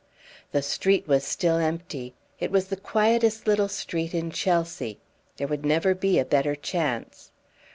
The street was still empty; it is the quietest little street in Chelsea. There would never be a better chance.